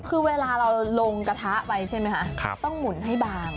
คือเวลาเราลงกระทะไปใช่ไหมคะต้องหมุนให้บาง